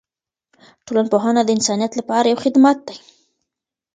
ټولنپوهنه د انسانیت لپاره یو خدمت دی.